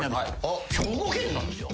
兵庫県なんですよ。